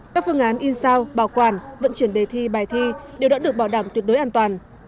các phương án in sao bảo quản vận chuyển đề thi bài thi đều đã được bảo đảm tuyệt đối an toàn